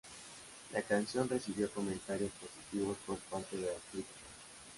La canción recibió comentarios positivos por parte de la crítica.